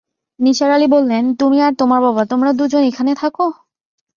নিসার আলি বললেন, তুমি আর তোমার বাবা, তোমরা দু জন এখানে থাক?